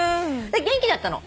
元気だったの。